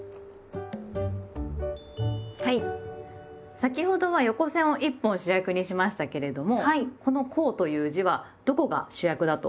先ほどは横線を１本主役にしましたけれどもこの「香」という字はどこが主役だと思いますか？